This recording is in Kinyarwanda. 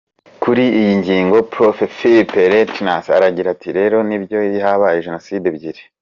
Kuri iyi ngingo Prof Filip Reyntjens aragira ati: “Rero, nibyo habaye Genocide ebyiri.”